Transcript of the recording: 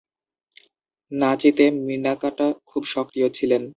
নাচিতে মিনাকাটা খুবই সক্রিয় ছিলেন।